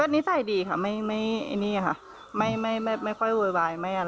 นิสัยดีค่ะไม่ค่อยโวยวาย